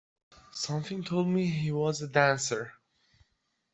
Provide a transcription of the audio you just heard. Something told me he was a dancer.